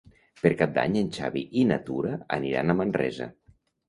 Per Cap d'Any en Xavi i na Tura aniran a Manresa.